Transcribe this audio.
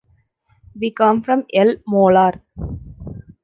We come from el Molar.